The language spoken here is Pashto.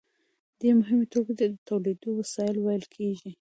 دې مهمې ټولګې ته د تولید وسایل ویل کیږي.